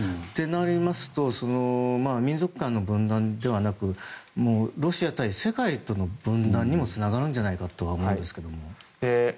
となりますと民族間の分断ではなくロシア対世界との分断にもつながるんじゃないかと思うんですけども。